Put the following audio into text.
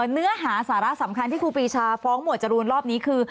เนื้อหาสาระสำคัญที่ครูปีชาฟ้องหมวดจรูนรอบนี้คือ